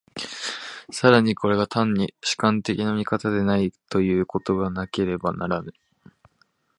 更にこれが単に主観的な見方でないということがなければならぬ。